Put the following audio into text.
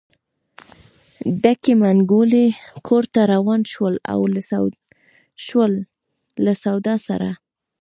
ډکې منګولې کور ته روان شول له سودا سره.